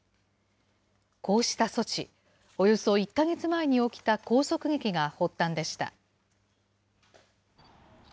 こうした措置、およそ１か月前に起きた拘束劇が発端でした。